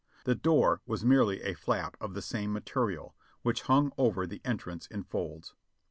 The door was merely a flap of the same material, which hung over the entrance in folds.